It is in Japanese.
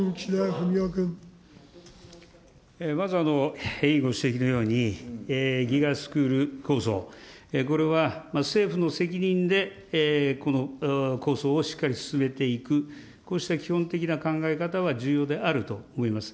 まず、委員ご指摘のように、ＧＩＧＡスクール構想、これは政府の責任でこの構想をしっかり進めていく、こうした基本的な考え方は重要であると思います。